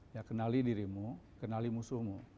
ya kenali dirimu kenali musuhmu